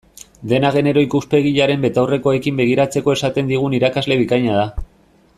Dena genero ikuspegiaren betaurrekoekin begiratzeko esaten digun irakasle bikaina da.